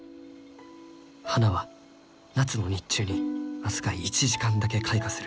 花は夏の日中に僅か１時間だけ開花する。